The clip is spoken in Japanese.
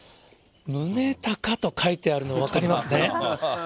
宗隆と書いてあるの分かりますね。